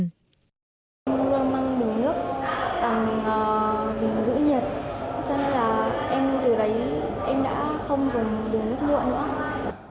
em mang bình nước bằng bình giữ nhiệt cho nên là em từ đấy em đã không dùng bình nước nhựa nữa